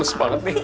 terus banget nih